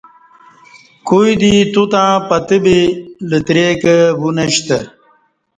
کوی دے توتݩع پتہ بی لترے کہ وونشتہ